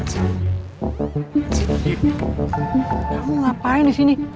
kamu ngapain disini